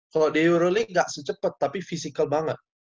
kalau di euro league nggak secepet tapi fisical banget